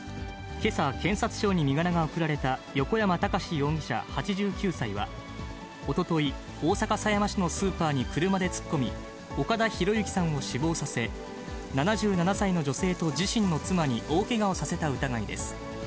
けさ、検察庁に身柄が送られた横山孝容疑者８９歳は、おととい、大阪狭山市のスーパーに車で突っ込み、岡田博行さんを死亡させ、７７歳の女性と自身の妻に大けがをさせた疑いです。